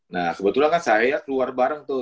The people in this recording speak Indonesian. nah kebetulan kan saya keluar bareng tuh